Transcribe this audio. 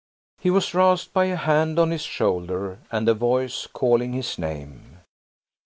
He was roused by a hand on his shoulder and a voice calling his name.